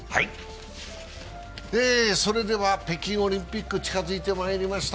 それでは北京オリンピック近づいてまいりました。